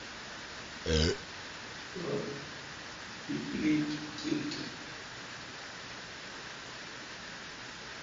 He pleaded guilty.